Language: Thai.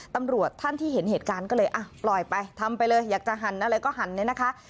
ตำรวจท่านที่เห็นเหตุการณ์ก็เลยอ่ะปล่อยไปทำไปเลยอยากจะหั่นอะไรก็หันเนี่ยนะคะ